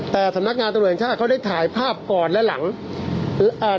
แต่สำนักงานตำรวจแห่งชาติเขาได้ถ่ายภาพก่อนและหลังอ่า